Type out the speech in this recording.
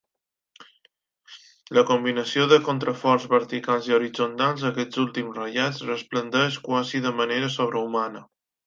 La combinació de contraforts verticals i horitzontals, aquests últims ratllats, resplendeix quasi de manera sobrehumana.